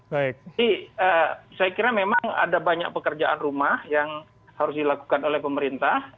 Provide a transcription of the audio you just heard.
jadi saya kira memang ada banyak pekerjaan rumah yang harus dilakukan oleh pemerintah